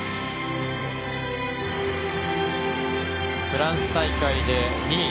フランス大会で２位。